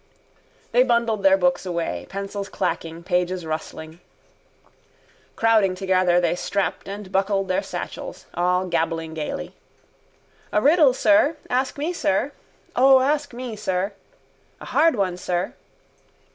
They bundled their books away, pencils clacking, pages rustling. Crowding together they strapped and buckled their satchels, all gabbling gaily: —A riddle, sir? Ask me, sir. —O, ask me, sir. —A hard one, sir.